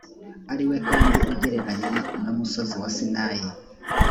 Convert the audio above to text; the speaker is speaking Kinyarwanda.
ari we kandi ugereranywa n umusozi wa sinayi